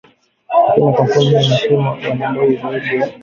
lakini kampuni hizo zinasema wanadai zaidi ya